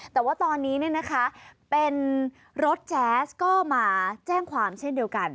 แต่ว่าตอนนี้เป็นรถแจ๊สก็มาแจ้งความเช่นเดียวกัน